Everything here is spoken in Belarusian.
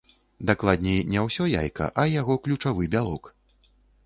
Дакладней, не ўсё яйка, але яго ключавы бялок.